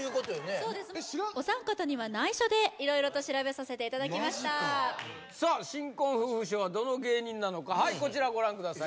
そうですお三方には内緒で色々と調べさせていただきましたマジかさあ新婚夫婦賞はどの芸人なのかこちらご覧ください